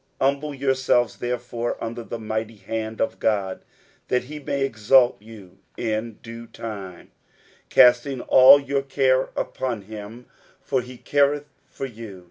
60:005:006 Humble yourselves therefore under the mighty hand of God, that he may exalt you in due time: 60:005:007 Casting all your care upon him; for he careth for you.